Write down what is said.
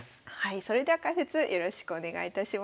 それでは解説よろしくお願いいたします。